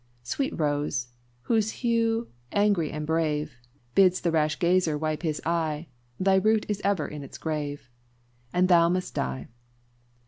"Sweet rose! whose hue, angry and brave, Bids the rash gazer wipe his eye, Thy root is ever in its grave; And thou must die.